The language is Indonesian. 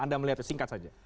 anda melihatnya singkat saja